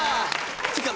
ってか